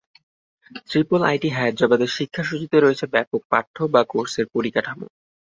Triple IT হায়দ্রাবাদের শিক্ষা-সূচীতে রয়েছে ব্যপক পাঠ্য বা কোর্সের পরিকাঠামো।